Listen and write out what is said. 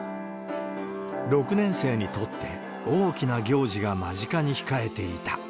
６年生にとって、大きな行事が間近に控えていた。